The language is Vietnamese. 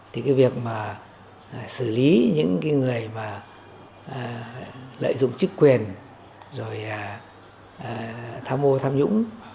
thì cái việc mà xử lý những cái người mà lợi dụng chức quyền rồi tham mô tham nhũng